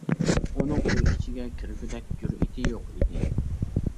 ئۇنىڭ ئۆي ئىچىگە كىرگۈدەك جۈرئىتى يوق ئىدى.